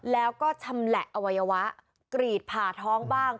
แล้วก็ชำแหละอวัยวะกรีดผ่าท้องบ้าง